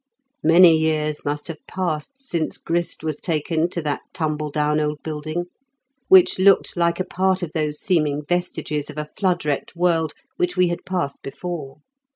Many years must have passed since grist was taken to that tumble down old building, which looked like a part of those seeming vestiges of a flood wrecked world which we had passed before.